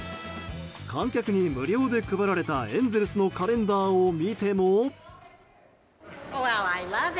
観客に無料で配られたエンゼルスのカレンダーを見ても。